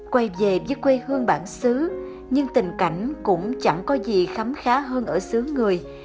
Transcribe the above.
quay về với quê hương bản xứ nhưng tình cảnh cũng chẳng có gì khám khá hơn ở xứ người